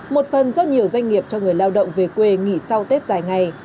một phần do nhiều doanh nghiệp cho người lao động về quê nghỉ sau tết dài ngày